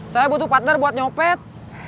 saya butuh partner buat nyopet